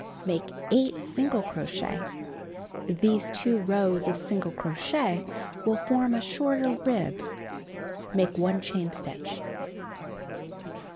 Make 8 single crochet. These two rows of single crochet will form a shorter Make 1 chain stitch.